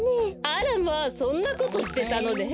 あらまあそんなことしてたのね。